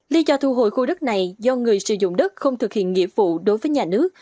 lý do thu hồi khu đất này do người sử dụng đất không thực hiện nghĩa vụ đối với nhà nước